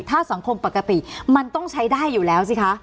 ถ้าสังคมปกติมันต้องใช้ได้อยู่แล้วสิคะ